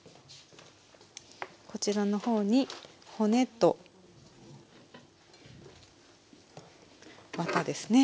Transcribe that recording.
こちらの方に骨とワタですね。